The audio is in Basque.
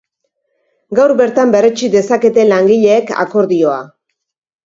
Gaur bertan berretsi dezakete langileek akordioa.